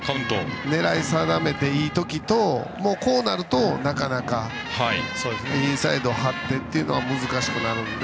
狙い定めていい時とこうなると、なかなかインサイド張ってというのは難しくなるので。